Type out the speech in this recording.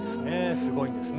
すごいんですね。